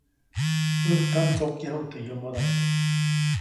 ʼÄjtaʼm ndsokyajuʼt teʼ yomodaʼm.